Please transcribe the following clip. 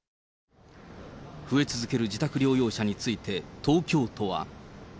増え続ける自宅療養者について、東京都は。